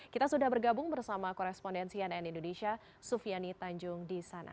kita sudah bergabung bersama korespondensi nn indonesia sufiani tanjung di sana